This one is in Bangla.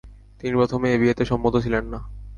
তিনি প্রথমে এ বিয়েতে সম্মত ছিলেন না।